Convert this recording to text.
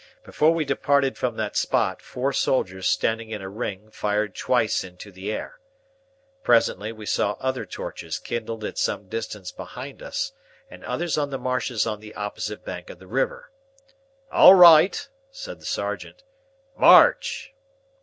Before we departed from that spot, four soldiers standing in a ring, fired twice into the air. Presently we saw other torches kindled at some distance behind us, and others on the marshes on the opposite bank of the river. "All right," said the sergeant. "March."